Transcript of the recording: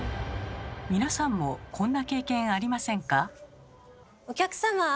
皆さんもこんな経験ありませんか？